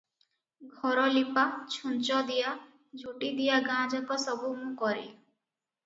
ଘରଲିପା, ଛୁଞ୍ଚ ଦିଆ, ଝୋଟିଦିଆ ଗାଁଯାକ ସବୁ ମୁଁ କରେ ।